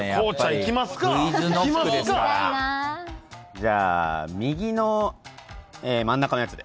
じゃあ右の真ん中のやつで。